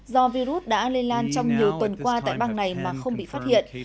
do virus đã lây lan trong nhiều tuần qua tại bang này mà không bị phát hiện